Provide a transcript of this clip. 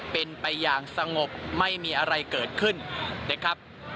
เป็นไปอย่างสงบไม่มีอะไรเกิดขึ้นนะครับ